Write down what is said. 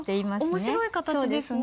面白い形ですね。